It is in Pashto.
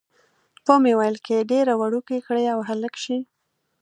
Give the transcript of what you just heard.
ومې ویل، که یې ډېره وړوکې کړي او هلک شي.